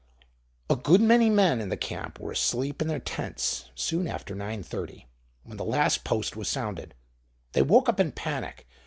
A good many men in the camp were asleep in their tents soon after 9:30, when the Last Post was sounded. They woke up in panic.